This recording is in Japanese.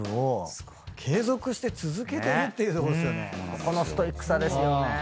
そこのストイックさですよね。